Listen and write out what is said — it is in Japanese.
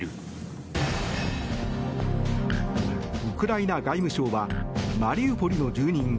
ウクライナ外務省はマリウポリの住民